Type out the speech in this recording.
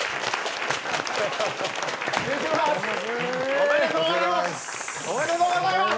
おめでとうございます。